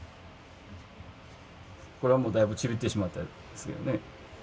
これはもうだいぶちびってしまったんですけどね。